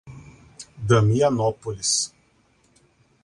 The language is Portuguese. Damianópolis